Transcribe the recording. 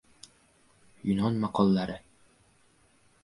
Yunon maqollari